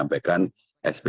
ini adalah yang ketiga